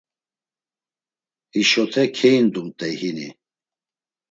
Hişote keyindumt̆ey hini.